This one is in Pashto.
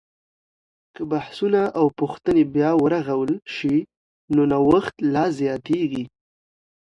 که بحثونه او پوښتنې بیا ورغول سي، نو نوښت لا زیاتیږي.